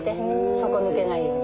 底抜けないように。